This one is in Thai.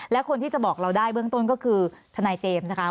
และคนที่จะบอกเราได้เบื้องต้นก็คือทนายเจมส์นะคะ